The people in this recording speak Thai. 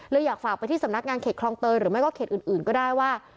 อยากฝากไปที่สำนักงานเขตคลองเตยหรือไม่ก็เขตอื่นก็ได้ว่า